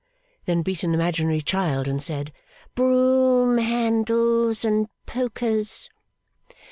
Then beat an imaginary child, and said, 'Broom handles and pokers.